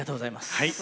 はい。